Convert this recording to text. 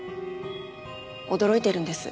驚いてるんです。